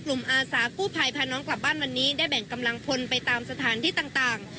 อาสากู้ภัยพาน้องกลับบ้านวันนี้ได้แบ่งกำลังพลไปตามสถานที่ต่าง